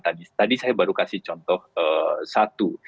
tadi saya baru kasih contoh satu